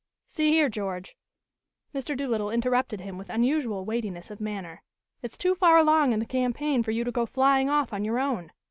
"See here, George." Mr. Doolittle interrupted him with unusual weightiness of manner. "It's too far along in the campaign for you to go flying off on your own.